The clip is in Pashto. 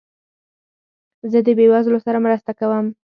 زه د بېوزلو سره مرسته کوم.